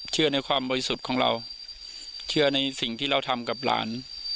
ในความบริสุทธิ์ของเราเชื่อในสิ่งที่เราทำกับหลาน